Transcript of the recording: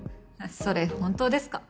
それ本当ですか？